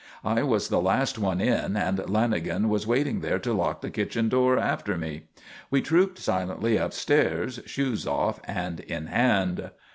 I was the last one in and Lanagan was waiting there to lock the kitchen door after me. We trooped silently upstairs, shoes off and in hand.